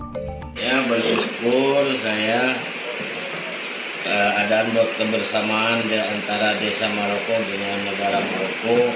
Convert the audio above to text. saya bersyukur saya ada kebersamaan di antara desa maroko dengan negara maroko